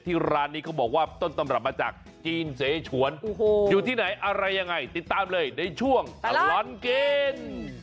ร้านนี้เขาบอกว่าต้นตำรับมาจากจีนเสชวนอยู่ที่ไหนอะไรยังไงติดตามเลยในช่วงตลอดกิน